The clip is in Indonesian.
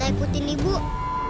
aku mau lihat